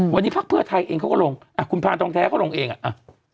วันนี้พักเพื่อไทยเองเขาก็ลงอ่ะคุณพานทองแท้เขาลงเองอ่ะ